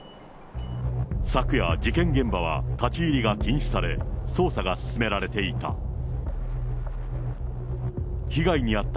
昨夜、事件現場は立ち入りが禁止され、捜査が進められていた。